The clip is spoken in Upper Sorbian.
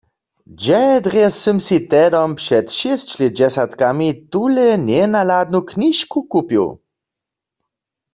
Hdźe drje sym sej tehdom před šěsć lětdźesatkami tule njenahladnu knižku kupił?